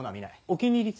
「お気に入り」